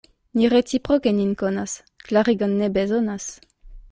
Ni reciproke nin konas, klarigon ne bezonas.